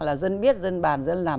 là dân biết dân bàn dân làm